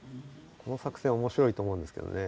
この作戦おもしろいと思うんですけどね。